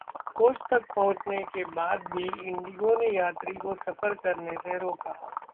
coach तक पहुंचने के बाद भी इंडिगो ने यात्री को सफर करने से रोका